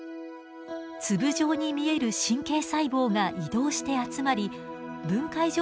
粒状に見える神経細胞が移動して集まり分界条